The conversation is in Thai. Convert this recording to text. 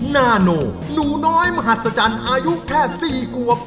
นาโนหนูน้อยมหัศจรรย์อายุแค่๔ควบ